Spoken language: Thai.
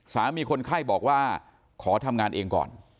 คนไข้บอกว่าขอทำงานเองก่อน